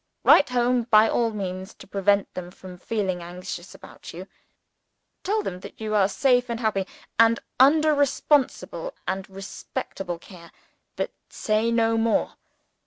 Write home by all means to prevent them from feeling anxious about you. Tell them that you are safe and happy, and under responsible and respectable care but say no more.